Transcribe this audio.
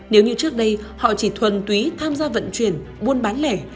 nếu như trước đây họ chỉ thuần túy tham gia vận chuyển buôn bán lẻ